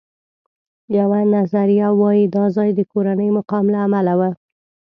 یوه نظریه وایي دا ځای د کورني مقام له امله و.